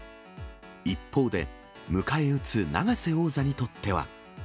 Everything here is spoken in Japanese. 一方で、迎え撃つ永瀬王座にとっては。